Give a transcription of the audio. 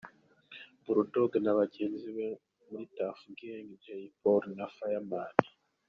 Bull Dogg na bagenzi be bo muri Tuff Gang, Jay Polly na Fireman.